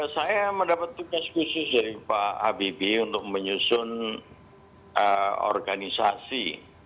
saya mendapat tugas khusus dari pak habibie untuk menyusun organisasi